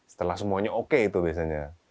setelah semuanya oke itu biasanya